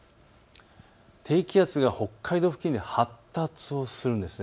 低気圧が北海道付近で発達をするんです。